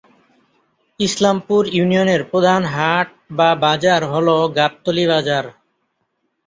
ইসলামপুর ইউনিয়নের প্রধান হাট/বাজার হল গাবতলী বাজার।